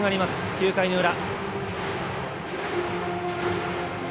９回の裏。